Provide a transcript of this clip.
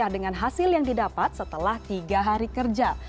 dengan hasil yang didapat setelah tiga hari kerja